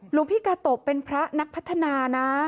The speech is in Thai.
หลวงพี่กาโตะเป็นพระนักพัฒนานะ